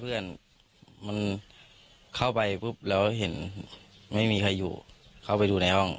เพื่อนมันเข้าไปปุ๊บแล้วเห็นไม่มีใครอยู่เข้าไปดูในห้อง